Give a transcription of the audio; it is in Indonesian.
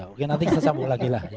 oke nanti saya sambung lagi lah